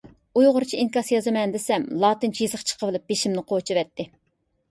ئۇيغۇرچە ئىنكاس يازىمەن دېسەم، لاتىنچە يېزىق چىقىۋېلىپ بېشىمنى قوچۇۋەتتى.